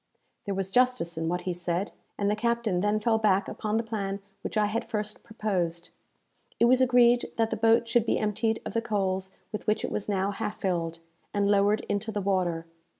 There was justice in what he said; and the captain then fell back upon the plan which I had first proposed. It was agreed that the boat should be emptied of the coals with which it was now half filled, and lowered into the water.